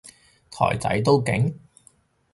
台仔都勁？